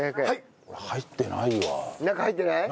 俺入ってないわ。